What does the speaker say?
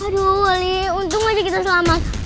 aduh wali untung aja kita selamat